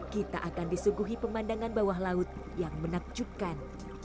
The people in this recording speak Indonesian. kita akan disuguhi pemandangan bawah laut yang menakjubkan